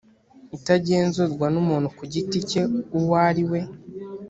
itagenzurwa n umuntu ku giti cye uwo ariwe